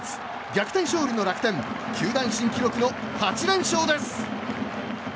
逆転勝利の楽天球団新記録の８連勝です。